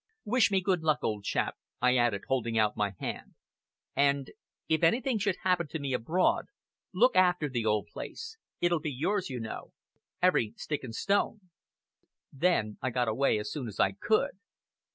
Wish me good luck, old chap!" I added, holding out my hand; "and if anything should happen to me abroad look after the old place it'll be yours, you know, every stick and stone." Then I got away as soon as I could.